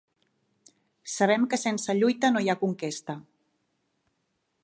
Sabem que sense lluita no hi ha conquesta.